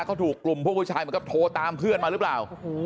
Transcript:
เค้าถูกกลุ่มพวกผู้ชายโทรตามเพื่อนมารึเปล่า